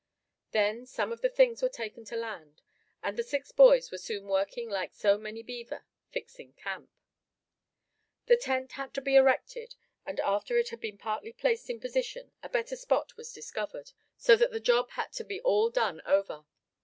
Then some of the things were taken to land; and the six boys were soon working like so many beaver, fixing camp. The tent had to be erected; and after it had been partly placed in position a better spot was discovered, so that the job had to be all done over.